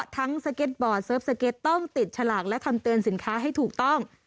ทั้งต้องติดฉลากและทำเตือนสินค้าให้ถูกต้อง